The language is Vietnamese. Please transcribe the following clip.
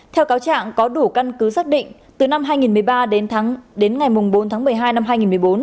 theo cáo trạng có đủ căn cứ xác định từ năm hai nghìn một mươi ba đến ngày bốn tháng một mươi hai năm hai nghìn một mươi bốn